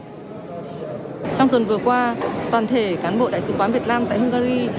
trong tuần vừa qua toàn thể cán bộ đại sứ quán việt nam tại hungary